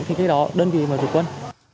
thì cái đó đơn vị mới rút quân